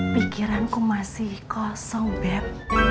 pikiran ku masih kosong beb